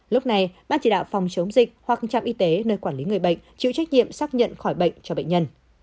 lúc này ban chỉ đạo phòng chống dịch hoặc trạm y tế nơi quản lý người bệnh chịu trách nhiệm xác nhận khỏi bệnh cho bệnh nhân